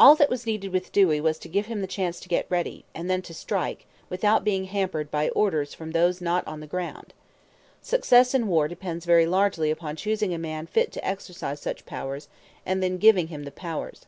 All that was needed with Dewey was to give him the chance to get ready, and then to strike, without being hampered by orders from those not on the ground. Success in war depends very largely upon choosing a man fit to exercise such powers, and then giving him the powers.